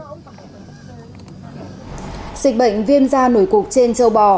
dịch bệnh viêm da nổi cục trên châu bò